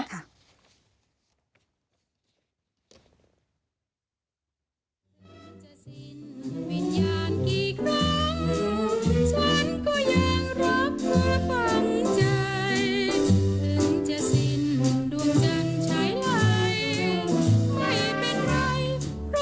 เพราะยังมีเธอตาจะเหมือนจังหัวช่างป๊อบ